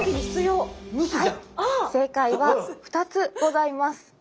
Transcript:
正解は２つございます。